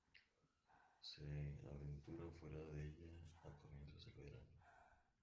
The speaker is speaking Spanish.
Se aventuran fuera de ella a comienzos del verano.